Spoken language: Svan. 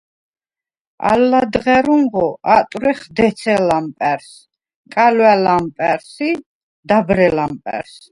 ალ ლადღა̈რუნღო ატვრეხ დეცე ლამპა̈რს, კალვა̈ ლამპა̈რს ი დაბრე ლამპა̈რს.